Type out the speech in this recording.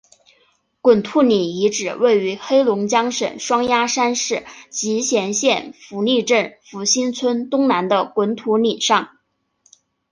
滚兔岭遗址位于黑龙江省双鸭山市集贤县福利镇福兴村东南的滚兔岭上。